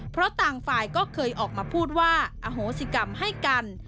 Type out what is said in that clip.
เพราะต่างฝ่ายก็เคยออกมาพูดว่าอโหสิกรรมให้กัน